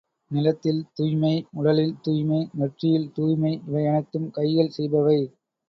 நிலத்தில் துய்மை, உடலில் துய்மை, நெற்றியில் தூய்மை இவையனைத்தும் கைகள் செய்பவை.